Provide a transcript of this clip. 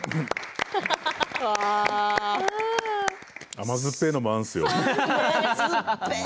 甘酸っぱいのもあるんですよ。